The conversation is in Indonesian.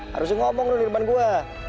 harusnya ngomong lu di depan gue